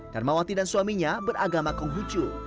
darmawati dan suaminya beragama kunghucu